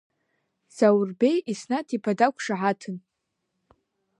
Заурбеи Еснаҭ-иԥа дақәшаҳаҭын.